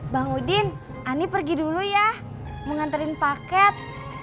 bang udin ani pergi dulu ya mau nganterin paket